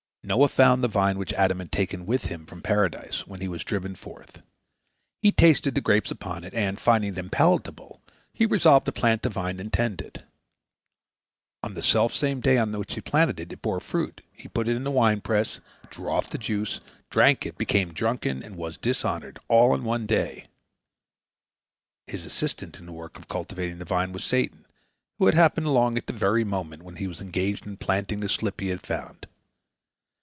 Noah found the vine which Adam had taken with him from Paradise, when he was driven forth. He tasted the grapes upon it, and, finding them palatable, he resolved to plant the vine and tend it. On the selfsame day on which he planted it, it bore fruit, he put it in the wine press, drew off the juice, drank it, became drunken, and was dishonored—all on one day. His assistant in the work of cultivating the vine was Satan, who had happened along at the very moment when he was engaged in planting the slip he had found.